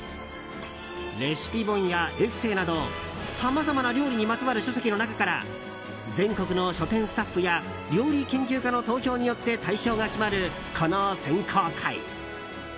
レシピ本やエッセーなどさまざまな料理にまつわる書籍の中から全国の書店スタッフや料理研究家の投票によって大賞が決まる、この選考会。